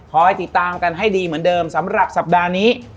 ให้ติดตามกันให้ดีเหมือนเดิมสำหรับสัปดาห์นี้